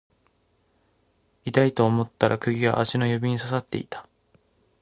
痛いと思ったら釘が足の指に刺さっていた